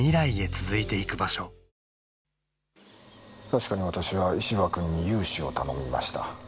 確かに私は石場君に融資を頼みました。